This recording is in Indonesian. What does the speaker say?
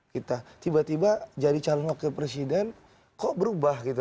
kita tiba tiba jadi calon wakil presiden kok berubah gitu